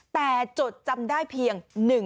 แต่จดจำได้เพียง